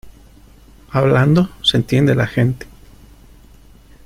Hablando se entiende la gente.